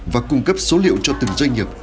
và cung cấp số liệu cho từng doanh nghiệp